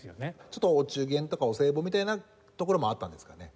ちょっとお中元とかお歳暮みたいなところもあったんですかね？